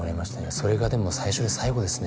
それがでも最初で最後ですね